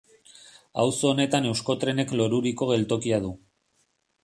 Auzo honetan Euskotrenek Loruriko geltokia du.